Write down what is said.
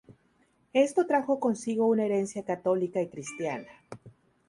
Esto trajo consigo una herencia católica y cristiana.